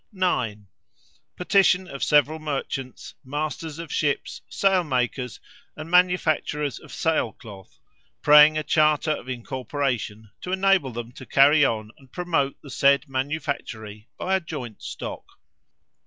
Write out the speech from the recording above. "9. Petition of several merchants, masters of ships, sail makers, and manufacturers of sail cloth, praying a charter of incorporation, to enable them to carry on and promote the said manufactory by a joint stock.